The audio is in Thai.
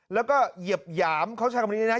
แล้วก็เหยียบหยามเขาใช้คำนี้นะ